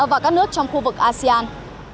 và các nước trong khu vực asean